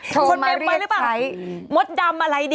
โทรมาเรียกใครมดดำอะไรดิ